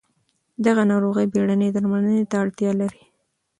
دغه ناروغي بېړنۍ درملنې ته اړتیا لري.